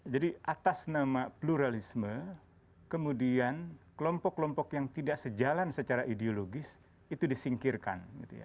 jadi atas nama pluralisme kemudian kelompok kelompok yang tidak sejalan secara ideologis itu disingkirkan